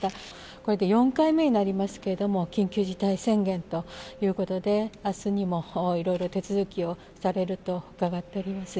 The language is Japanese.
これで４回目になりますけれども、緊急事態宣言ということで、あすにもいろいろ手続きをされると伺っております。